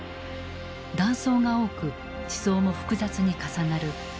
断層が多く地層も複雑に重なるクレブラ